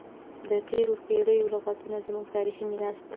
د تیرو پیړیو لغتونه زموږ تاریخي میراث دی.